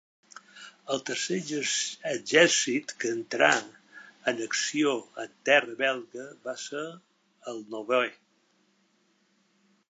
El tercer exèrcit que entrà en acció en terra belga va ser el Novè.